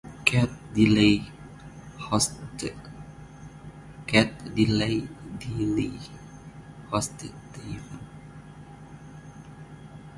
Cat Deeley hosted the event.